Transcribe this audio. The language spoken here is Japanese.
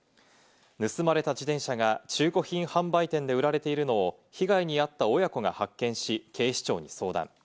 盗まれた自転車が中古品販売店で売られているのを、被害に遭った親子が発見し、警視庁に相談。